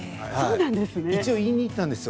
一応、言いに行ったんですよ。